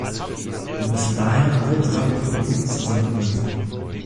Wir müssen daher alle drei Probleme zusammen lösen.